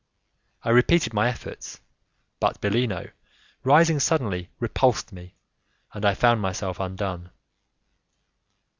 I repeated my efforts, but Bellino, rising suddenly, repulsed me, and I found myself undone.